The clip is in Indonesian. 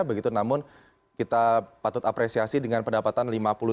begitu namun kita patut apresiasi dengan pendapatan lima puluh tujuh